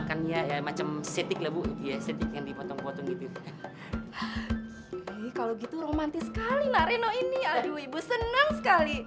kalau gitu romantis sekali nah reno ini aduh ibu senang sekali